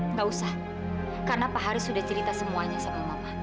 nggak usah karena pak haris sudah cerita semuanya sama mama